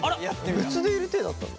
別でいる体だったんだ？